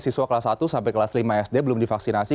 siswa kelas satu sampai kelas lima sd belum divaksinasi